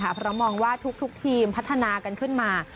เพราะมองว่าทุกทีมพัฒนากันขึ้นมา